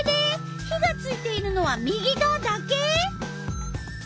火がついているのは右がわだけ！？